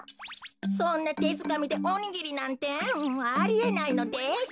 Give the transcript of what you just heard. そんなてづかみでおにぎりなんてありえないのです。